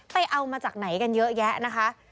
เอามาจากไหนกันเยอะแยะนะคะ